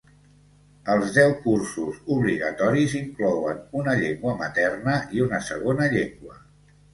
Els deu cursos obligatoris inclouen una llengua materna i una segona llengua.